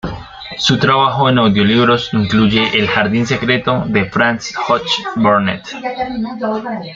Su trabajo en audiolibros incluye "El jardín secreto" de Frances Hodgson Burnett.